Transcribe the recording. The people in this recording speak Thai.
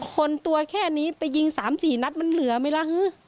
คนตัวแค่นี้ไปยิง๓๔นัดมันเหลือไหมล่ะฮือ